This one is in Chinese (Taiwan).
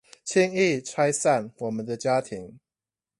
輕易拆散我們的家庭